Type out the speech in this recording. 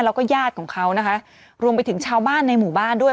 แล้วก็ญาติของเขานะคะรวมไปถึงชาวบ้านในหมู่บ้านด้วย